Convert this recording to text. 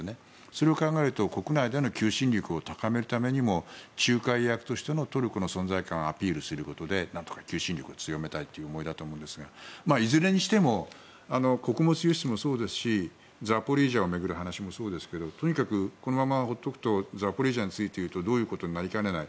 それを考えると国内での求心力を高めるためにも仲介役としてのトルコの存在感をアピールすることで何とか求心力を強めたいという思いだと思うんですがいずれにしても穀物輸出もそうですしザポリージャを巡る話もそうですけどとにかくこのまま放っておくとザポリージャについていうとどういうことになりかねない。